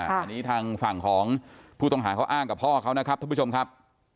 อันนี้ทางฝั่งของผู้ต้องหาเขาอ้างกับพ่อเขานะครับท่านผู้ชมครับ